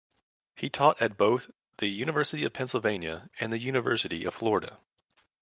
He taught at both the University of Pennsylvania and the University of Florida.